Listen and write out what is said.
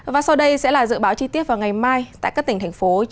và sau đây sẽ là dự báo chi tiết vào ngày mai tại các tỉnh thành phố